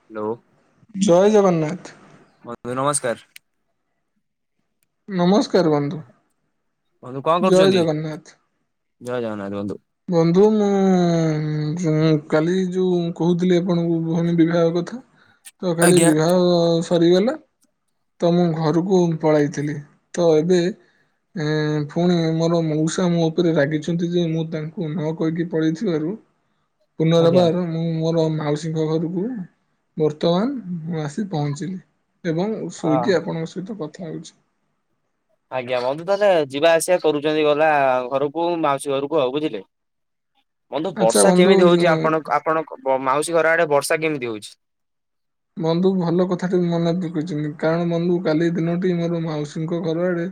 Hello. ଜୟ ଜଗନ୍ନାଥ। ବନ୍ଧୁ ନମସ୍କାର। ନମସ୍କାର ବନ୍ଧୁ। ବନ୍ଧୁ କଣ ଜୟ କରୁଛନ୍ତି ଜଗନ୍ନାଥ। ଜୟ ଜଗନ୍ନାଥ ବନ୍ଧୁ। ବନ୍ଧୁ ମୁଁ କାଲି ଯୋଉ କହୁଥିଲି ଆପଣଙ୍କୁ ଭଉଣୀ ବିବାହ କଥା। ତ କାଲି ଆଜ୍ଞା। ବିବାହ ସରିଗଲା। ତ ମୁଁ ଘରକୁ ପଳାଇଥିଲି ତ ଏବେ ଏ ଫୁଣି ମୋର ମଉସା ମୋ ଉପରେ ରାଗିଛନ୍ତି ଯେ ମୁଁ ତାଙ୍କୁ ନ କହିକି ପଳେଇଥିବାରୁ। [inaudible] ଆଜ୍ଞା ପୁନରବହର ମୁଁ ମୋର ମାଉସୀଙ୍କ ଘରକୁ ବର୍ତ୍ତମାନ ମୁଁ ଆସି ପହଞ୍ଚିଲି। ଅ [unintelligible] ଆପଣଙ୍କ ସହିତ କଥା ହେଉଛି। ଆଜ୍ଞା ବନ୍ଧୁ ତାହେଲେ ଯିବା ଆସିବା କରୁଛନ୍ତି ଗଲା ଘରକୁ ମାଉସୀ ଘରକୁ ଆଉ ବୁଝିଲେ। ବନ୍ଧୁ ଆଚ୍ଛା ବର୍ଷା କେମିତି ହଉଛି ବନ୍ଧୁ ଆପଣ ଆପଣଙ୍କ ମାଉସୀ ଘର ଆଡେ ବର୍ଷା କେମିତି ହଉଛି। ବନ୍ଧୁ ଭଲ କଥାଟି ବି ମନେ ପକେଇଛନ୍ତି କାରଣ ବନ୍ଧୁ କାଲି ଦିନଟି ମୋର ମାଉସୀଙ୍କ ଘର ଆଡେ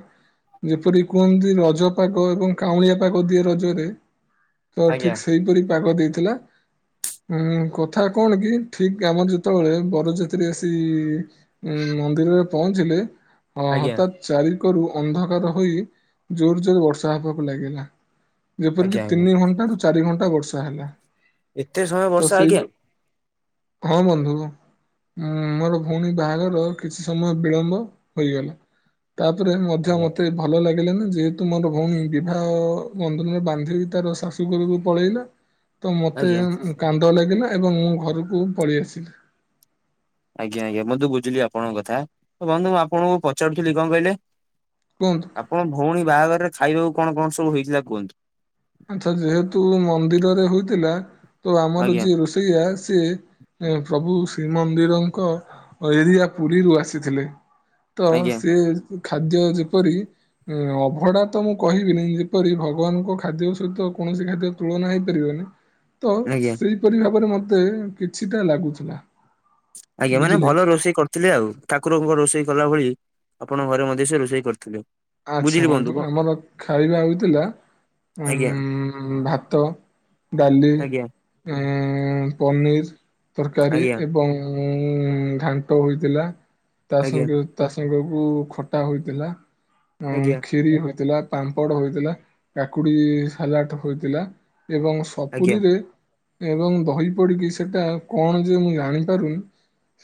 ଯେପରି କୁହନ୍ତି ରଜପାଗ ଏବଂ କାଉଁଳିଆ ପାଗ ଦିଏ ରଜରେ ତ ଆଜ୍ଞା। ଠିକ ସେଇପରି ପାଗ ଦେଇଥିଲା। ହୁଁ କଥା କଣ କି ଠିକ କାମ ଯେତେବେଳେ ବରଯାତ୍ରୀ ଆସି ମନ୍ଦିରରେ ପହଞ୍ଚିଲେ ଆଁ ଆଜ୍ଞା ହଠତ୍। ଚାରିକୋରୁ ଅନ୍ଧକାର ହୋଇ ଜୋର ଜୋର ବର୍ଷା ହେବାକୁ ଲାଗିଲା। ଯେପରିକି ଆଜ୍ଞା ଆଜ୍ଞା ତିନି ଘଣ୍ଟା ରୁ ଚାରି ଘଣ୍ଟା ବର୍ଷା ହେଲା। ଏତେ ସମୟ ତ ବର୍ଷା ଆଜ୍ଞା ସେଇପା, ହଁ, ବନ୍ଧୁ। ଉଁ, ମୋର ଭଉଣୀ ବାହାଘର କିଛି ସମୟ ବିଳମ୍ବ ହୋଇଗଲା। ତାପରେ ମଧ୍ୟ ଆଜ୍ଞା ମୋତେ ଭଲ ଲାଗିଲା ନା ଯେହେତୁ ମୋର ଭଉଣୀ ବିବାହ, ବନ୍ଧନରେ ବାନ୍ଧି ହୋଇ ତାର ଶାଶୁଘରକୁ ପଳେଇଲା। ତ ମତେ ଆଜ୍ଞା। ଉଁ କାନ୍ଦ ଲାଗିଲା, ଏବଂ ମୁଁ ଘରକୁ ପଳେଇ ଆସିଲି। ଆଜ୍ଞା, ଆଜ୍ଞା, ମୁଁ ତ ବୁଝିଲି ଆପଣଙ୍କ କଥା, ବନ୍ଧୁ ମୁଁ ଆପଣଙ୍କୁ ପଚାରୁଥିଲି କଣ କହିଲେ? କୁହନ୍ତୁ ଆପଣ ଭଉଣୀ ବାହାଘରରେ ଖାଇବାକୁ କଣ, କଣ ସବୁ ହେଇଥିଲା କୁହନ୍ତୁ। ଆଚ୍ଛା ଯେହେତୁ ମନ୍ଦିରରେ ହୋଉଥିଲା ତ ଆମର ଆଜ୍ଞା ଯିଏ ରୋଷେଇଆ ସିଏ ହଁ, ପ୍ରଭୁ ଶ୍ରୀମନ୍ଦିରଙ୍କ ଏରିଆ ପୁରୀରୁ ଆସିଥିଲେ। ତ ଆଜ୍ଞା ସେ ଖାଦ୍ୟ ଯେପରି ଅଭଡା ତ ମୁଁ କହିବିନି ଯେପରି ଭଗବାନଙ୍କ ଖାଦ୍ୟ ସେତ କୌଣସି ଖାଦ୍ୟ ତୁଳନା ହେଇପାରିବନି ତ ଆଜ୍ଞା। ସେଇ ପରି ଭାବରେ ମତେ କିଛିଟା ଲାଗୁଥିଲା। ଆଜ୍ଞା ମାନେ ବୁଝିଲେ କି? ଭଲ ରୋଷେଇ କରୁ ଥିଲେ ଆଉ, ଠାକୁରଙ୍କ ରୋଷେଇ କଲା ଭଳି ଆପଣଙ୍କ ଘରେ ମଧ୍ୟ ସେ ରୋଷେଇ କରିଥିଲେ। ଆଚ୍ଛା, ବୁଝିଲି ବନ୍ଧୁ ଵଦ୍ଧୁ ବ- ଆମର ଖାଇବା ହଉଥିଲା ଆଜ୍ଞା ଉଁ ଭାତ ଡାଲି ଆଜ୍ଞା ପନିର ତରକାରୀ ଆଜ୍ଞା ଏବଂ ଉଁ ଘାଣ୍ଟ ହୋଇଥିଲା ତା ଆଜ୍ଞା ସଙ୍ଗେ ତା ସାଙ୍ଗକୁ ଖଟା ହୋଇଥିଲା, ଉଁ ଆଜ୍ଞା କ୍ଷିରି ହୋଇଥିଲା। ପାମ୍ପଡ଼ ହୋଇଥିଲା, କାକୁଡି ସାଲାଟ ହୋଇଥିଲା, ଏବଂ ଆଜ୍ଞା ଆଜ୍ଞା ସପୁରୀରେ ଏବଂ ଦହି ପଡିକି ସେଟା କଣ ଯେ ମୁଁ ଜାଣିପାରୁନି,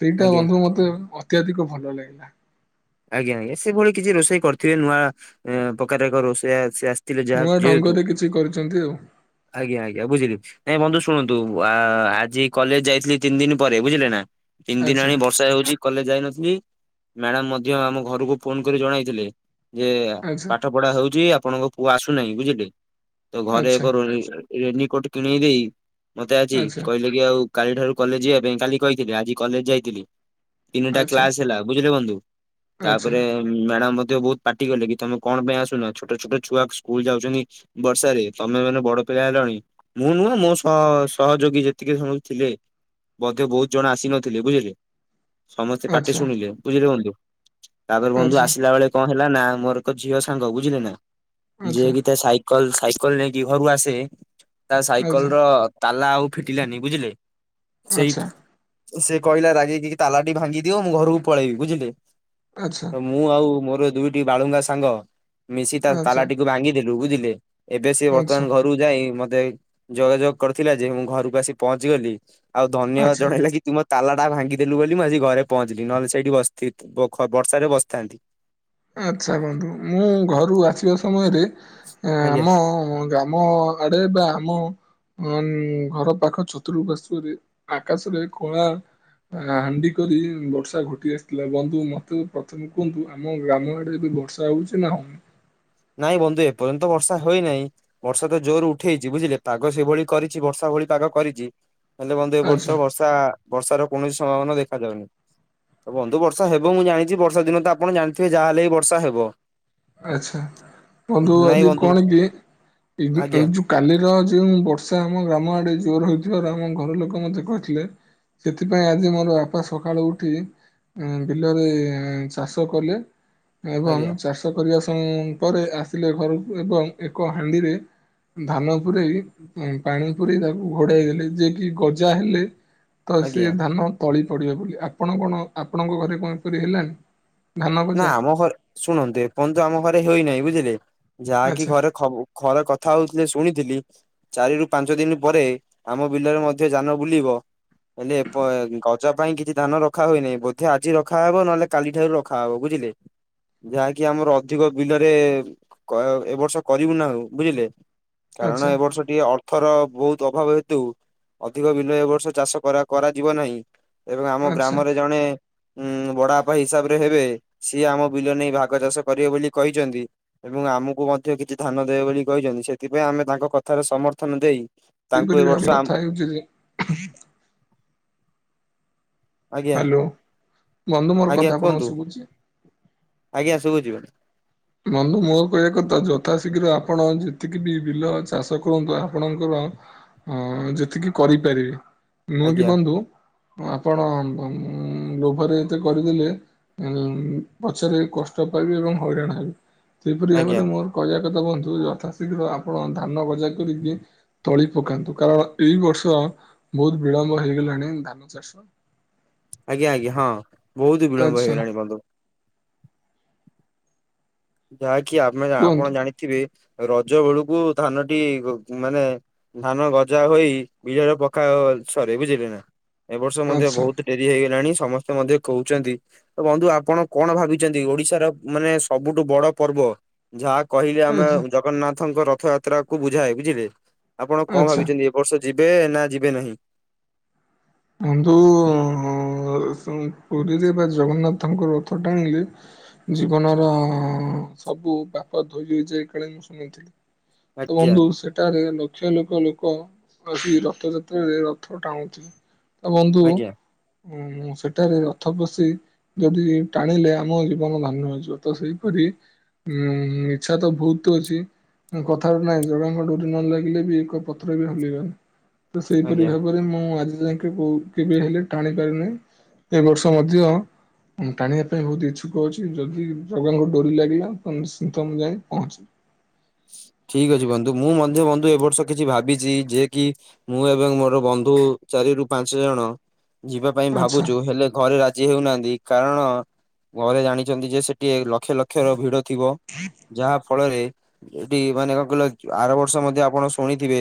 ସେଇଟା ଆଜ୍ଞା ବନ୍ଧୁ ମତେ ଅତ୍ୟଧିକ ଭଲ ଲାଗିଲା। ଆଜ୍ଞା, ଆଜ୍ଞା, ସେଭଳି କିଛି ରୋଷେଇ କରିଥିବେ ନୂଆ ପ୍ରକାର ଏକ ରୋଷେଇଆ ସେ ଆସି ନୂଆ ଢଙ୍ଗରେ କିଛି କରିଛନ୍ତି ଆଉ। ଆଜ୍ଞା, ଆଜ୍ଞ, ବୁଝିଲି। ନାଇଁ ବନ୍ଧୁ ଶୁଣନ୍ତୁ ଆଜି କଲେଜ ଯାଇଥିଲି ତିନି ଦିନ ପରେ ବୁଝିଲେ ନା। ତିନି ଦିନ ଆଚ୍ଛା ହେଲାଣି ବର୍ଷା ହେଉଛି କଲେଜ ଯାଇନଥିଲି, ମ୍ୟାଡାମ ମଧ୍ୟ ଆମ ଘରକୁ ଫୋନ କରି ଜଣାଇଥିଲେ। ଯେ ପାଠ ପଢା ହଉଛି ଆପଣଙ୍କ ପୁଅ ଆସୁନାହିଁ ବୁଝିଲେ। ତ ଘରେ ଏକ ଆଚ୍ଛା ର ରେନିକୋଟ କିଣେଇଦେଇ ମତେ ଆଜି ଆଚ୍ଛା କହିଲେ ଆଜି ଆଉ କାଲି ଠାରୁ କଲେଜ ଯିବା ପାଇଁ କାଲି କହିଥିଲେ ଆଜି କଲେଜ ଯାଇଥିଲି। ତିନିଟା ଆଚ୍ଛା କ୍ଲାସ ହେଲା ବୁଝିଲେ ବନ୍ଧୁ। ଆଚ୍ଛା ତାପରେ ମ୍ୟାଡାମ୍ ମଧ୍ୟ ବହୁତ ପାର୍ଟି କଲେ କି ତମେ କଣ ପାଇଁ ଆସୁନ, ଛୋଟ ଛୋଟ ଛୁଆ ସ୍କୁଲ ଯାଉଛନ୍ତି। ବର୍ଷ ରେ, ତମେ ମାନେ ବଡ଼ ପିଲା ହେଲଣି। ମୁଁ ନୁହଁ ମୋ ସହ ସହଯୋଗୀ ଯେତିକ ସଵୁ ଥିଲେ। ବୋଧେ ବହୁତ ଜଣ ଆସି ନଥିଲେ ବୁଝିଲେ, ସମସ୍ତେ ପାଟି ଆଚ୍ଛା ଶୁଣିଲେ ବୁଝିଲେ ବଂଧୁ। ତାପରେ ବନ୍ଧୁ ଆଚ୍ଛା ଆସିଲା ବେଳେ କଣ ହେଲା ନା ମୋର ଏକ ଝିଅ ସାଙ୍ଗ ବୁଝିଲେ ନା, ଆଚ୍ଛା ଯିଏକି ତା ସାଇ କଲ ସାଇକଲ ନେଇକି ଘରୁ ଆସେ, ତା ଆଚ୍ଛା ସାଇକଲ ର ତାଲା ଆଉ ଫିଟିଲାନି ବୁଝିଲେ, ଆଚ୍ଛା ସେଇଠ ଆଚ୍ଛା ସେ କହିଲା ରାଗେଇିକି ତାଲା ଟି ଭାଙ୍ଗି ଦିିଅ ମୁଁ ଘରକୁ ପଳେଇବି ବୁଝିଲେ। ଆଚ୍ଛ ତ ମୁଁ ଆଉ ମୋର ଦୁଇଟି ବାଳୁଙ୍ଗା ସାଙ୍ଗ, ମିଶି ତା ତାଲାଟିକୁ ଭାଙ୍ଗିଦେଲୁ ବୁଝିଲେ। ଏବେ ସିଏ ଆଚ୍ଛା ବର୍ତ୍ତମାନ ଆଚ୍ଛା ଘରକୁ ଯାଇ ମତେ, ଯୋଗାଯୋଗ କରିଥିଲା ଯେ ମୁଁ ଘରକୁ ଆସି ପହଞ୍ଚି ଗଲି। ଆଉ ଧନ୍ୟବାଦ ଆଚ୍ଛା ଜଣେଇଲା କି ତୁମୋ ତାଲା ଟା ଭାଙ୍ଗିଦେଲୁ ବୋଲି ମୁଁ ଆଜି ଘରେ ପହଞ୍ଚିଲି ନହେଲେ ସେଇଠି ବସଥି ଵ ଖ ବର୍ଷା ରେ ବସିଥାନ୍ତି। ଆଚ୍ଛା, ବନ୍ଧୁ ମୁଁ ଘରୁ ଆସିବା ସମୟରେ ଆଜ୍ଞା। ଆମ ଗ୍ରାମ ଆଡ଼େ ବା ଆମ ହମ୍ ଘର ପାଖ ଚତୁପାର୍ଶ୍ଵରେ ଆକାଶରେ କଳା ହାଣ୍ଡି କରି ବର୍ଷା ଘୋଟି ଆସିଥିଲା ବନ୍ଧୁ ମତେ ପ୍ରଥମେ କୁହନ୍ତୁ ଆମ ଗ୍ରାମ ଆଡ଼େ ଏବେ ବର୍ଷା ହଉଛି ନା ହୁଁ ନାଇଁ ବନ୍ଧୁ ଏପର୍ଯ୍ୟନ୍ତ ବର୍ଷା ହୋଇନାହିଁ। ବର୍ଷା ତ ଜୋର ଉଠେଇଛି ବୁଝିଲେ ପାଗ ସେଭଳି କରିଛି ବର୍ଷା ଭଳି ପାଗ କରିଛି ହେଲେ ବନ୍ଧୁ ଏ ଆଚ୍ଛା ବର୍ଷ ବର୍ଷା ବର୍ଷ ର କୌଣସି ସମ୍ଭାବନା ଦେଖା ଯାଉନି? ତ ବନ୍ଧୁ ବର୍ଷା ହେବ ମୁଁ ଜାଣିଛି ବର୍ଷା ଦିନ ତ ଆପଣ ଜାଣିଥିବେ ଯାହା ହେଲେ ବିି ବର୍ଷା ହେବ। ଆଚ୍ଛା। ନାଇଁ ବନ୍ଧୁ। ଆଜ୍ଞା କାଲିର ଯେଉଁ ବର୍ଷା ଆମ ଗ୍ରାମ ଆଡ଼େ ଜୋର୍ ହୋଇଥିବାର ଆମ ଘର ଲୋକ ମତେ କହିଥିଲେ। ସେଥିପାଇଁ ଆଜି ମୋର ବାପା ସଖାଳୁ ଉଠି ବିଲରେ ଚାଷ କଲେ ଏବଂ ଆଜ୍ଞା ଚାଷ ଚାଷ କରିବା ସଂ ପରେ ଆସିଲେ ଘରକୁ ଏବଂ ଏକ ହାଣ୍ଡିରେ ଧାନ ପୂରେଇ ପାଣି ପୂରେଇ ତାକୁ ଘୋଡ଼ାଇ ଦେଲେ ଯେ କି ଗଜା ହେଲେ ତ ସେ ଆଜ୍ଞା ଧାନ ତଳି ପଡ଼ିବ ବୋଲି ଆପଣ କଣ ଆପଣଙ୍କ ଘରେ କଣ ଏପରି ହେଲାଣିି? ନା ଆମ ଘରେ ଶୁଣନ୍ତୁ ଏପର୍ଯ୍ୟନ୍ତ ଆମ ଘରେ ହୋଇନାହିଁ ବୁଝିଲେ ଯାହାକି ଆଚ୍ଛା ଘରେ ଖବ ଖରେ କଥା ହଉଥିଲେ ଶୁଣିଥିଲି ଚାରି ରୁ ପାଞ୍ଚ ଦିନ ପରେ ଆମ ବିଲରେ ମଧ୍ୟ ଯାନ ବୁଲିବ। ହେଲେ ଏପ ଗଜ ପାଇଁ କିଛି ଧାନ ରଖା ହୋଇନାହିଁ ବୋଧେ ଆଜି ରଖାହବ ନହେଲେ କାଲି ଠାରୁ ର ଖା ହବ ବୁଝିଲେ। ଯାହାକି ଆମର ଅଧିକ ବିଲରେ କ ଏ ବର୍ଷ କରିବୁ ନାହୁଁ ବୁଝିଲେ। କାରଣ ଆଚ୍ଛା ଏ ବର୍ଷ ଟିକେ ଅର୍ଥର ବହୁତ ଅଭାବ ହେତୁ ଅଧିକ ବିଲ ଏ ବର୍ଷ ଚାଷ କରା କରାଯିବ ନାହିଁ। ଏବଂ ଆମ ଆଚ୍ଛା ଗ୍ରାମରେ ଜଣେ ଉ ବାଡ଼ାପା ହିସାବରେ ହେବେ ସିଏ ଆମ ବିଲ ନେଇ ଭାଗ ଚାଷ କରିବେ ବୋଲି କହିଛନ୍ତି। ଏବଂ ଆମକୁ ମଧ୍ୟ କିଛି ଧାନ ଦେବେ ବୋଲି କହିଛନ୍ତି ସେଥିପାଇଁ ଆମେ ତାଙ୍କ କଥାରେ ସମର୍ଥନ ଦେଇ ତାଙ୍କୁ ଏ ସେପରି ବି ବର୍ଷ ଆମ ଆମ୍- କଥା ହେଉଛି ଯେ ଆଜ୍ଞା ହ୍ୟାଲୋ ବନ୍ଧୁ ମୋର ଆଜ୍ଞା କଥା ଆପଣଙ୍କୁ କୁହନ୍ତୁ ଶୁଭୁଛି? ଆଜ୍ଞା ସୁବୁଛି ବ ବନ୍ଧୁ ମୋ କହିବା କଥା ଯଥାଶୀଘ୍ର ଆପଣ ଯେତିକି ବି ବିଲ ଚାଷ କରନ୍ତୁ ଆପଣଙ୍କର ହଁ ଯେତିକି କରିପାରିବେ ନୁହଁ କି ଆଜ୍ଞା ବନ୍ଧୁ ଆପଣ ଉଁ ଲୋଭରେ ଏତେ କରିଦେଲେ ଉ ପଛରେ କଷ୍ଟ ପାଇବେ ଏବଂ ହଇରାଣ ହେବେ। ସେହିପରି ଆଜ୍ଞା ଭାବରେ ମୋର କହିବା କଥା ବନ୍ଧୁ ଯଥାଶୀଘ୍ର ଆପଣ ଧାନ ବଜା କରିକି ତଳି ପକାନ୍ତୁ କାରଣ ଏଇ ବର୍ଷ ବହୁତ ବିଳମ୍ବ ହେଇଗଲାଣି ଧାନ ଚାଷ। ଆଜ୍ଞା ଆଜ୍ଞା ହଁ ବହୁତ ବିଳମ୍ବ ଆଚ୍ଛା ହେଇଗଲାଣି ବନ୍ଧୁ। ଯାହାକି ଆମେ ଆପଣ କୁହନ୍ତୁ ଜାଣିଥିବେ ରଜ ବେଳକୁ ଧାନଟି ମାନେ ଧାନ ଗଜା ହୋଇ ବିଜରେ ପକା ସରେ ବୁଝିଲେ ନା ଏ ବର୍ଷ ମଧ୍ୟ ଆଚ୍ଛା ବହୁତ ଡେରି ହେଇଗଲାଣି ସମସ୍ତେ ମଧ୍ୟ କହୁଛନ୍ତି ତ ବନ୍ଧୁ ଆପଣ କଣ ଭାବିଛନ୍ତି ଓଡିଶାର ମାନେ ସ ସବୁଠୁ ବଡ ପର୍ବ ଯାହା କହିଲେ ଆମେ ଆଚ୍ଛା ଜଗନ୍ନାଥଙ୍କ ରଥଯାତ ଯାତ୍ରା କୁ ବୁଝାଏ ବୁଝିଲେ ଆପଣ କଣ ଆଚ୍ଛା। ଭାବିଛନ୍ତି ଏ ବର୍ଷ ଯିବେ ନା ଯିବେ ନାହିଁ? ବନ୍ଧୁ ଉଁ ସେ ପୁରୀରେ ବା ଜଗନ୍ନାଥଙ୍କ ରଥ ଟାଣିଲେ ଜୀବନର ସବୁ ପାପ ଧୋଇଯାଇ କାଳେ ମୁଁ ଶୁଣିଥିଲି। ତ ଆଜ୍ଞା ବନ୍ଧୁ ସେଟାରେ ଲ ଲକ୍ଷ ଲୋକ ଲୋକ ଆସି ରଥଯାତ୍ରାରେ ରଥ ଟାଣୁଥିବେ। ତ ବନ୍ଧୁ ଆଜ୍ଞା ଉ ସେଠାରେ ରଥ ପଶି ଯଦି ଟାଣିଲେ ଆମ ଜୀବନ ଧନ୍ୟ ହେଇଯିବ। ତ ସେଇପରି ଉଁ ଇଚ୍ଛା ତ ବହୁତ ଅଛି। କଥାଟା ନାଇଁ ଜଗାଙ୍କ ଡୋରି ନ ଲାଗିଲେ ବି ଏକ ପଥର ବି ହଲିବନି। ତ ସେଇପରି ଆଜ୍ଞା। ଭାବରେ ମୁଁ ଆଜି ଯାଇ କେବୁ କେବେ ହେଲେ ଟାଣି ପାରନି ଏ ବର୍ଷ ମଧ୍ୟ ମୁଁ ଟାଣିବା ପାଇଁ ବହୁତ ଇଚ୍ଛୁକ ଅଛି ଯଦି ଭଗବାନଙ୍କ ଡୋରି ଲାଗିଲା ତ ନିଶ୍ଚିନ୍ତ ମୁଁ ଯାଇ ପହଞ୍ଚିବି। ଠିକ ଅଛି ବନ୍ଧୁ ମୁଁ ମଧ୍ୟ ବନ୍ଧୁ ଏ ବର୍ଷ କିଛି ଭାବିଛି ଯେ କି ମୁଁ ଏବଂ ମୋର ବନ୍ଧୁ ଚାରି ରୁ ପାଞ୍ଚ ଜଣ ଯିବା ପାଇଁ ଆଚ୍ଛା ଭାବୁଛୁ ହେଲେ ଘରେ ରା ରାଜି ହେଉନାହାନ୍ତି କାରଣ ଘରେ ଜାଣିଛନ୍ତି ଯେ ସେଠିଏ ଲକ୍ଷ ଲକ୍ଷ ର ଭିଡ ଥିବ ଯାହା ଫଳରେ ଏଠି ମାନେ କଣ କହିଲ ଆର ବର୍ଷ ମଧ୍ୟ ଆପଣ ଶୁଣିଥିବେ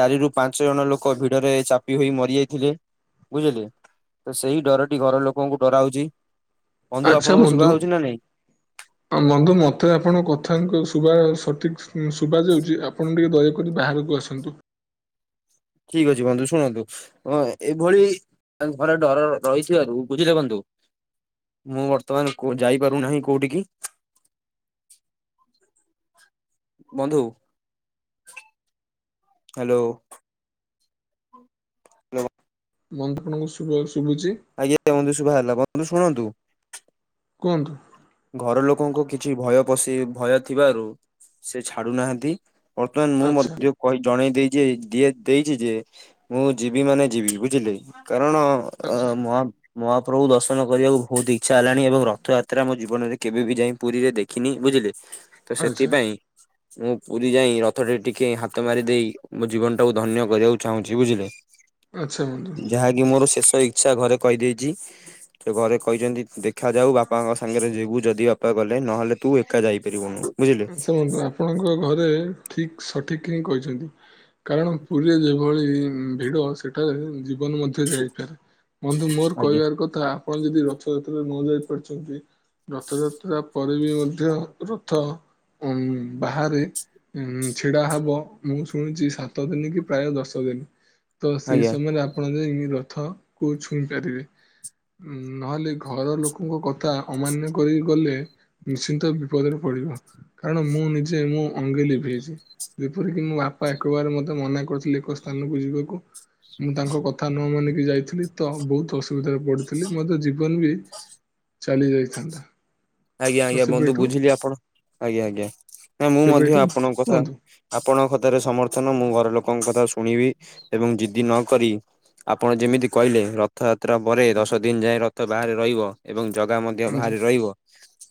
ଚାରି ରୁ ପାଞ୍ଚ ଜଣ ଲୋକ ଭିଡରେ ଚାପି ହୋଇ ମରିଯାଇଥିଲେ ବୁଝିଲେ। ତ ସେଇ ଡରଟି ଘର ଲୋକଙ୍କୁ ଡରାଉଛି। ବନ୍ଧୁ ଆଚ୍ଛା ଆପଣଙ୍କୁ ଶୁଭା ବନ୍ଧୁ। ହଉଛି [inaudible] ହଁ ବନ୍ଧୁ ମତେ ଆପଣଙ୍କ କଥା ଙ୍କ ଶୁଭାଯାଉଛି ସଠିକ ଶୁ ଶୁଭା ଯାଉଛି ଆପଣ ଟିକେ ଦୟା କରୀ ବାହାରକୁ ଆସନ୍ତୁ। ଠିକ ଅଛି ବନ୍ଧୁ ଶୁଣନ୍ତୁ ଅ ଏଇଭଳି ଆ ଘରେ ଡର ରହିଥିବାରୁ ବୁଝିଲେ ବନ୍ଧୁ। ମୁଁ ବର୍ତ୍ତମାନ କୋ ଯାଇପାରୁନାହିଁ କୋଉଠିିକି। ବନ୍ଧୁ ହାଲୋ। [unintelligible] ବନ୍ଧୁ ଆପଣଙ୍କୁ ଶୁଭୁ ଶୁଭୁଛି? ଆଜ୍ଞା ବନ୍ଧୁ ଶୁଭାଗଲା, ବନ୍ଧୁ ଶୁଣନ୍ତୁ? କୁହନ୍ତୁ? ଘର ଲୋକଙ୍କୁ କିଛି ଭୟ ପଶି ଭୟ ଥିବାରୁ ସେ ଛାଡୁନାହାନ୍ତି। ବର୍ତ୍ତମାନ ମୁଁ ଆଚ୍ଛା ମଧ୍ୟ କହି ଜଣେଇ ଦେଇଛି ଦି ଦେଇଛି ଯେ ମୁଁ ଯିବି ମାନେ ଯିବି ବୁଝିଲେ? କାରଣ ଅ ଆଚ୍ଛା ମହା ମହାପ୍ରଭୁ ଦର୍ଶନ କରିବାକୁ ବହୁତ ଇଚ୍ଛା ହେଲାଣି ଏବଂ ରଥଯାତ୍ରା ଆମେ ଯିବୁ। ଜୀବନରେ କେବେ ବି ଯାଇ ପୁରୀରେ ଦେଖିନି, ବୁଝିଲେ ତ ଆଚ୍ଛା। ସେଥିପାଇଁ ମୁଁ ପୁରୀ ଯାଇ ରଥ ଟେ ଟିକେ ହାତ ମାରି ଦେଇେ ମୋ ଜୀବନ ଟାକୁ ଧନ୍ୟ କରିବାକୁ ଚାହୁଁଛି ବୁଝିଲେ। ଆଚ୍ଛା ବନ୍ଧୁ ଯାହାକି ମୋର ଶେଷ ଇ ସେ ଘରେ କହିଦେଇଛି ସେ ଘରେ କହିଛନ୍ତି ଦେଖାଯାଉ ବାପାଙ୍କ ସାଙ୍ଗରେ ଯିବୁ। ତୁ ଯଦି ବାପା କଲେ ନହେଲେ ତୁ ଏକା ଯାଇପାରିବୁନୁ। ବୁଝିଲେ ଶୁଣନ୍ତୁ ଆପଣଙ୍କ ଘରେ ଠିକ ସଠିକ ହିଁ କହିଛନ୍ତି। କାରଣ ପୁରୀରେ ଯେଭଳି ଇଁ ଭିଡ଼ ସେଠାରେ ଜି ଜୀବନ ମଧ୍ୟ ଯାଇପାରେ, ବନ୍ଧୁ ମୋର ଆଜ୍ଞା କହିବାର କ ତଥା ଆପଣ ଯଦି ରଥଯାତ୍ରା ନ ଯାଇ ପାରୁଛନ୍ତି ରଥଯାତ୍ରା ପରେ ବି ମଧ୍ୟ ରଥ ବାହାରେ ଉ ଛିଡା ହବ ମୁଁ ଶୁଣିଛି ସାତ ଦିନ କି ପ୍ରାୟ ଦଶ ଦିନ। ତ ସେଇ ଆଜ୍ଞା ସମୟରେ ଆପଣ ଯାଇକି ରଥ କୁ ଛୁଇଁ ପାରିବେ। ଉଁ ନହେଲେ ଘର ଲୋକଙ୍କ କଥା ଅମାନ୍ୟ କରିକି ଗଲେ ନିଶ୍ଚିନ୍ତ ବିପଦରେ ପଡିବ କାରଣ ମୁଁ ନିଜେ ମୁଁ ଅଙ୍ଗେ ଲିଭେଇଛି। ଯେପରିକି ମୋ ବାପା ଏକବାର ମତେ ମନା କରିଥିଲେ ଏକ ସ୍ଥାନକୁ ଯିବାକୁ ମୁଁ ତାଙ୍କ କଥା ନ ମାନିକି ଯାଇଥିଲି ତ ବହୁତ ଅସୁବିଧାରେ ପଡିଥିଲି ମତେ ଜୀବନ ବି ଚାଲି ଯାଇଥାନ୍ତା। ଆଜ୍ଞା ତ ଆଜ୍ଞା ବନ୍ଧୁ ସେବେଠୁ ବୁଝିଲି ଆପଣ ଆଜ୍ଞା ଆଜ୍ଞା ନା ମୁଁ ମଧ୍ୟ ସେବେଠୁ ଆପଣଙ୍କ କଥା କୁହନ୍ତୁ ଆପଣଙ୍କ କଥାରେ ସମର୍ଥନ ମୁଁ ଘର ଲୋକଙ୍କ କଥା ଶୁଣିବି ଏବଂ ଜିଦ୍ଦି ନକରି ଆପଣ ଯେମିତି କହିଲେ ରଥଯାତ୍ରା ପରେ ଦଶ ଦିନ ଯାଏଁ ରଥ ବାହାରେ ରହିବ। ଏବଂ ଜଗା ମଧ୍ୟ ଆଜି ବାହାରେ ରହିବ।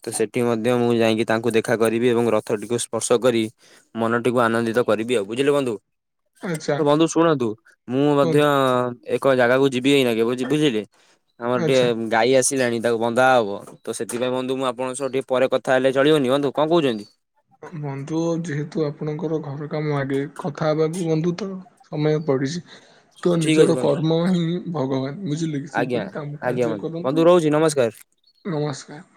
ତ ସେଠି ମଧ୍ୟ ମୁଁ ଯାଇକି ତାଙ୍କୁ ଦେଖା କରିବି ଏବଂ ରଥଟିକୁ ସ୍ପର୍ଶ କରି ମନଟିକୁ ଆନନ୍ଦିତ କରିବି ଆଉ ବୁଝିଲେ ବନ୍ଧୁ। ଆଚ୍ଛା ତ ବନ୍ଧୁ ଶୁଣନ୍ତୁ ମୁଁ ମଧ୍ୟ କୁହନ୍ତୁ ଏକ ଜାଗାକୁ ଯିବି ଏଇନା କେ ବୁଝିଲେ। ଆମର ଆଚ୍ଛା। ଟିକେ ଗାଈ ଆସିଲାଣି ତାକୁ ବନ୍ଧା ହବ ତ ସେ ଏବେ ବନ୍ଧୁ ମୁ ଆପଣଙ୍କ ସହ ଟିକେ ପରେ କଥା ହେଲେ ଚଳିବନି ବନ୍ଧୁ କଣ କହୁଛନ୍ତି? ବନ୍ଧୁ ଯେହେତୁ ଆପଣଙ୍କର ଘର କାମ ଆଗେ କଥା ହେବାକୁ ବନ୍ଧୁ ତ ସମୟ ପଡିଛି। ତ ଠିକ୍ ଅଛି ନିଜର ବନ୍ଧୁ। କର୍ମ ହିଁ ଭଗବାନ ବୁଝିଲେ କି ଆଜ୍ଞା ସେଇପରି କାମ ଆଜ୍ଞା କାର୍ଯ୍ୟ ବନ୍ଧୁ ବନ୍ଧୁ କରନ୍ତୁ। ରହୁଛି ନମସ୍କାର। ନମସ୍କାର।